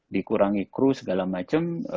dikurangi crew segala macem